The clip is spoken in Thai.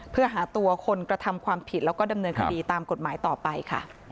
เพื่อหาตัวคนกระทำความผิดแล้วก็ดำเนินคดีตามกฎหมายต่อไปค่ะ